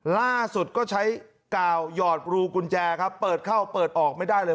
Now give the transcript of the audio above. ล่าสุดก็ใช้กาวหยอดรูกุญแจครับเปิดเข้าเปิดออกไม่ได้เลย